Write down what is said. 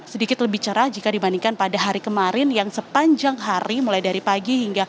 sedikit lebih cerah jika dibandingkan pada hari kemarin yang sepanjang hari mulai dari pagi hingga